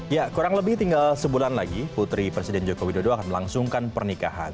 ya kurang lebih tinggal sebulan lagi putri presiden joko widodo akan melangsungkan pernikahan